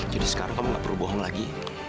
jadi sekarang kamu gak perlu bohong lagi